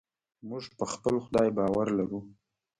موږ په خپل خدای باور لرو.